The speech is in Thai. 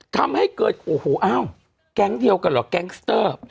ทำให้เกิดโอ้โหอ้าวแก๊งเดียวกันเหรอแก๊งสเตอร์